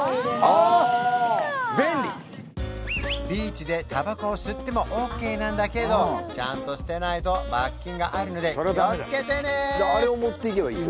ビーチでタバコを吸ってもオッケーなんだけどちゃんと捨てないと罰金があるので気をつけてね！